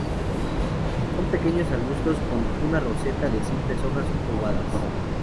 Son pequeños arbustos con una roseta de simples hojas ovadas.